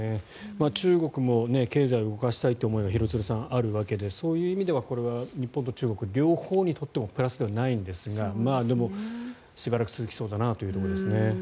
中国も経済を動かしたいという思いは廣津留さん、あるわけでそういう意味では日本と中国両方にとってもプラスではないんですがでも、しばらく続きそうだなというところですね。